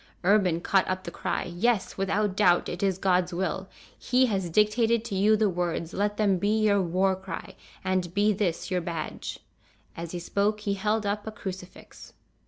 Urban caught up the cry: "Yes, without doubt, it is God's will. He has dictated to you the words, let them be your war cry, and be this your badge!" As he spoke he held up a crucifix.